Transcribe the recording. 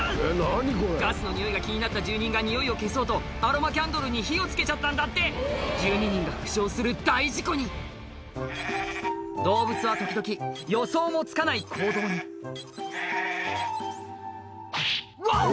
ガスのにおいが気になった住人がにおいを消そうとアロマキャンドルに火を付けちゃったんだって１２人が負傷する大事故に動物は時々予想もつかない行動に「ワオ！